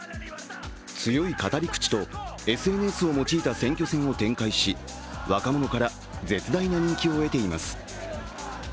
強い語り口とＳＮＳを用いた選挙戦を展開し若者から絶大な人気を得ています。